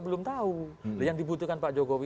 belum tahu yang dibutuhkan pak jokowi